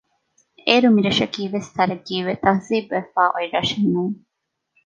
އޭރު މިރަށަކީވެސް ތަރައްޤީވެ ތަހްޒީބުވެފައި އޮތް ރަށެއް ނޫން